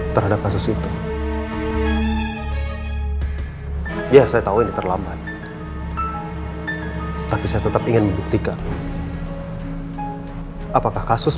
terhadap kasus itu ya saya tahu ini terlambat tapi saya tetap ingin membuktikan apakah kasus